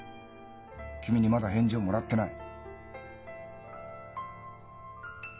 君にまだ返事をもらってない。